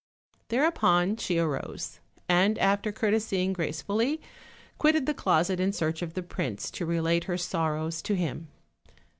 Thereupon she arose, and after courtesying gracefully, quitted the closet in search of the prince, to relate her sorrows to him.